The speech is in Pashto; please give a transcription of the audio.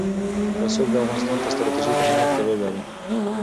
رسوب د افغانستان په ستراتیژیک اهمیت کې رول لري.